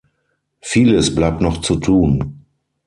Vieles bleibt noch zu tun.